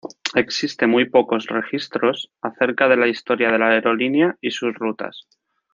Existe muy pocos registros acerca de la historia de la aerolínea y sus rutas.